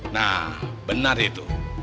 nah benar itu